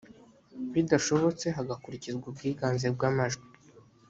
bidashobotse hagakurikizwa ubwiganze bw’amajwi